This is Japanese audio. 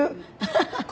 ハハハッ。